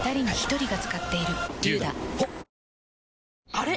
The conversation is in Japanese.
あれ？